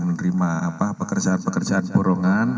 menerima pekerjaan pekerjaan borongan